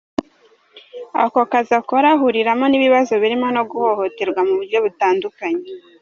Ako kazi akora ahuriramo n’ibibazo birimo no guhohoterwa mu buryo butandukanye.